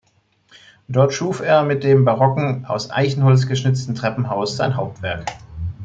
Dort schuf er mit dem barocken, aus Eichenholz geschnitzten Treppenhaus sein Hauptwerk.